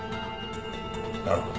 なるほど。